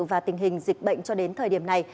và tình hình dịch bệnh cho đến thời điểm này